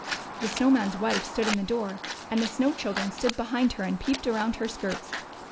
The Snow Man's Avife stood in the door, and the SnoAv Children stood behind her and peeped around her skirts.